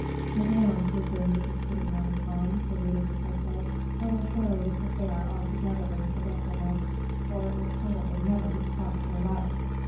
"Madame," resumed the discreet Manicamp, saluting the princess, "let us bury this affair altogether in forgetfulness, for it will probably never be quite cleared up."